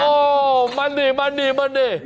โอ้โหมันนี่มันนี่มันนี่